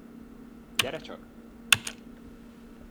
Gyere csak!